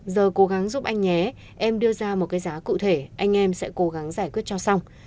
giờ cố gắng giúp anh nhé em đưa ra một cái giá cụ thể anh em sẽ cố gắng giải quyết cho xong